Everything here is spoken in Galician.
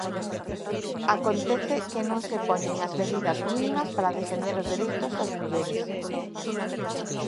Acontece que non se poñen as medidas mínimas para defender os dereitos das mulleres.